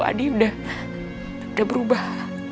adi udah berubah